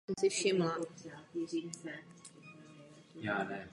To je, jak jsem již uvedla, vztah vzájemné závislosti.